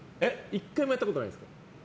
１回もやったことないんですか。